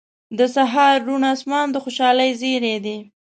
• د سهار روڼ آسمان د خوشحالۍ زیری دی.